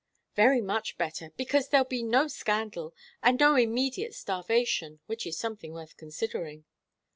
"Very much better, because there'll be no scandal and no immediate starvation, which is something worth considering."